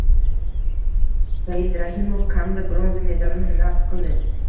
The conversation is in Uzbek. Saidrahimov kamida bronza medalini naqd qildi